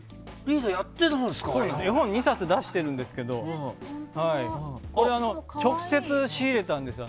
絵本を２冊出してたんですけどこれは直接仕入れたんですよ